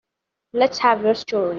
Let's have your story.